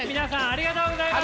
ありがとうございます！